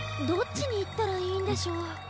どっちにいったらいいんでしょう。